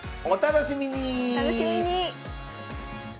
お楽しみに！